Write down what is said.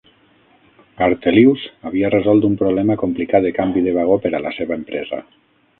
Hartelius havia resolt un problema complicat de canvi de vagó per a la seva empresa.